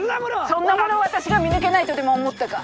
そんなものを私が見抜けないとでも思ったか？